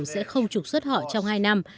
sẽ không trục xuất họ trong hai năm